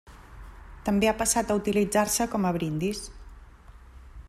També ha passat a utilitzar-se com a brindis.